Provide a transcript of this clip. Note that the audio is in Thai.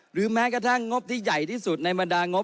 แม้กระทั่งงบที่ใหญ่ที่สุดในบรรดางบ